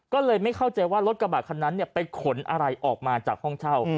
ก็เลยไม่เข้าใจว่ารถกระบาดคันนั้นไปขนอะไรออกมาจากห้องเช่า